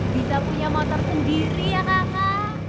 bisa punya motor sendiri ya kakak